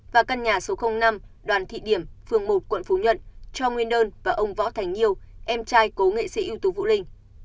và căn nhà số năm đoàn thị điểm phường một quận phú nhuận cho nguyên đơn và ông võ thành nhiêu em trai cố nghệ sĩ ưu tú vũ linh